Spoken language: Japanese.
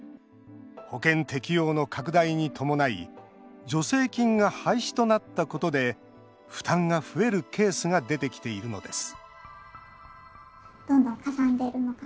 保険適用の拡大に伴い助成金が廃止となったことで負担が増えるケースが出てきているのです